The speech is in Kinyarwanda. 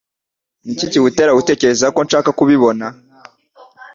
Niki kigutera gutekereza ko nshaka kubibona?